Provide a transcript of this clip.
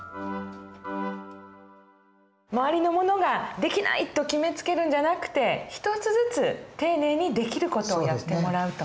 周りの者ができないと決めつけるんじゃなくて一つずつ丁寧にできる事をやってもらうと。